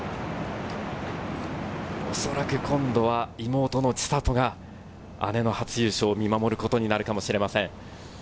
おそらく今度は、妹の千怜が、姉の初優勝を見守ることになるかもしれません。